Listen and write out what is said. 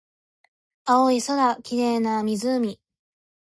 青い空、綺麗な湖